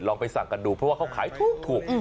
ไปสั่งกันดูเพราะว่าเขาขายถูก